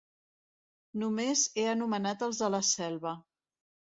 Només he anomenat els de la Selva.